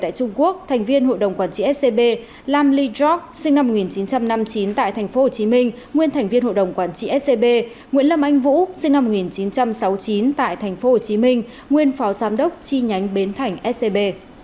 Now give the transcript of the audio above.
tại trung quốc thành viên hội đồng quản trị scb lam lee jork sinh năm một nghìn chín trăm năm mươi chín tại tp hcm nguyên thành viên hội đồng quản trị scb nguyễn lâm anh vũ sinh năm một nghìn chín trăm sáu mươi chín tại tp hcm nguyên phó giám đốc chi nhánh bến thành scb